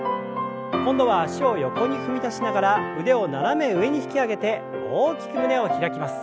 今度は脚を横に踏み出しながら腕を斜め上に引き上げて大きく胸を開きます。